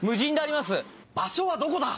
場所はどこだ！？